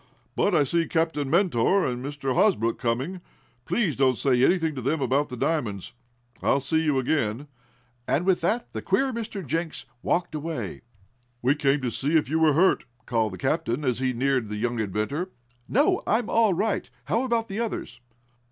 But I see Captain Mentor and Mr. Hosbrook coming. Please don't say anything to them about the diamonds. I'll see you again," and with that, the queer Mr. Jenks walked away. "We came to see if you were hurt," called the captain, as he neared the young inventor. "No, I'm all right. How about the others?"